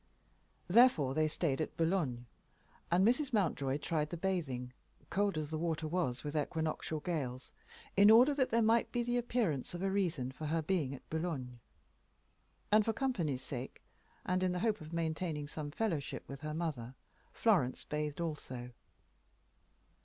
Therefore they stayed at Boulogne, and Mrs. Mountjoy tried the bathing, cold as the water was with equinoctial gales, in order that there might be the appearance of a reason for her being at Boulogne. And for company's sake, in the hope of maintaining some fellowship with her mother, Florence bathed also.